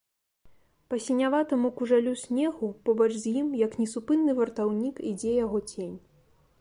Па сіняватаму кужалю снегу, побач з ім, як несупынны вартаўнік, ідзе яго цень.